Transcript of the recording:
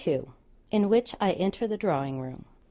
IN WHICH I ENTER THE DRAWING ROOM.